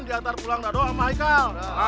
diantar pulang dadah sama aikal